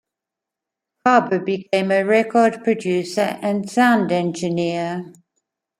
Cobb became a record producer and sound engineer.